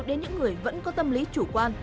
đến những người vẫn có tâm lý chủ quan